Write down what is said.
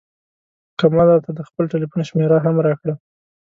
کمال راته د خپل ټیلفون شمېره هم راکړه.